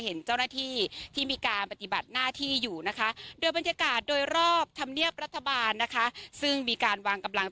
เห็นเจ้าหน้าที่ที่มีการปฏิบัติหน้าที่อยู่นะคะ